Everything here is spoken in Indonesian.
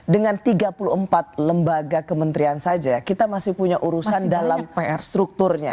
dengan tiga puluh empat lembaga kementerian saja kita masih punya urusan dalam pr strukturnya